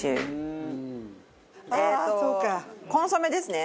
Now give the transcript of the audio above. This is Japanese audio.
えっとコンソメですね。